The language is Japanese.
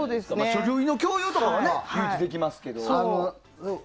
書類の共有とかはできますけど。